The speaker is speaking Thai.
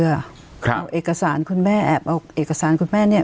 เอาเอกสารคุณแม่แอบเอาเอกสารคุณแม่เนี่ย